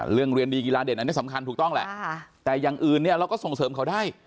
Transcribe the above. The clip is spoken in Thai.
เรียนดีกีฬาเด่นอันนี้สำคัญถูกต้องแหละแต่อย่างอื่นเนี่ยเราก็ส่งเสริมเขาได้